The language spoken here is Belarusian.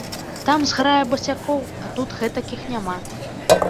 Там зграя басякоў, а тут гэтакіх няма.